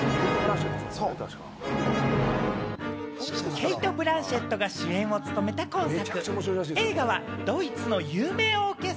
ケイト・ブランシェットが主演を務めた今作。